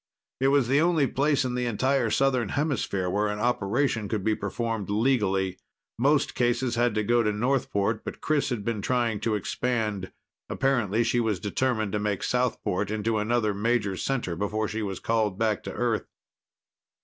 It was the only place in the entire Southern hemisphere where an operation could be performed legally. Most cases had to go to Northport, but Chris had been trying to expand. Apparently, she was determined to make Southport into another major center before she was called back to Earth.